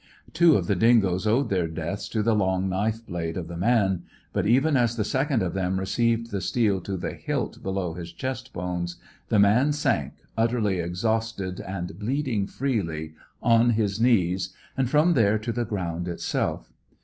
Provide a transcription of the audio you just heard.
Two of the dingoes owed their deaths to the long knife blade of the man; but even as the second of them received the steel to the hilt below his chest bones, the man sank, utterly exhausted and bleeding freely, on his knees, and from there to the ground itself.